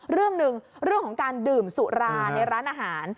เรื่องหนึ่งเรื่องของการดื่มสุราในร้านอาหาร